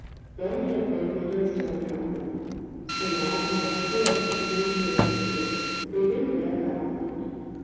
Then it had been Peter's turn to laugh at them. So now, impossible as this new story sounded, they didn't dare laugh at it.